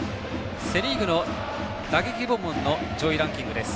セ・リーグの打撃部門の上位ランキングです。